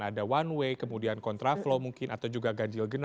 ada one way kemudian kontraflow mungkin atau juga ganjil genap